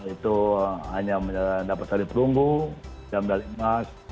itu hanya mendapat tarif runggu jam dalam timnas